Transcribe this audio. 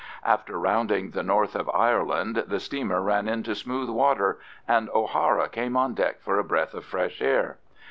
After rounding the north of Ireland the steamer ran into smooth water, and O'Hara came on deck for a breath of fresh air.